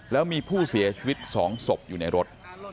แล้วมีผู้เสียชีวิต๒ศพอยู่ในรถ